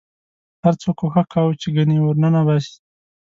هر څوک کوښښ کاوه چې ګنې ورننه باسي.